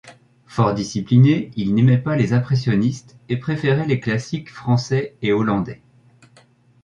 Fort discipliné, il n'aimait pas les impressionnistes et préférait les classiques français et hollandais.